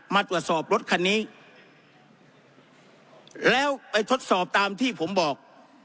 มาตรวจสอบรถคันนี้แล้วไปทดสอบตามที่ผมบอก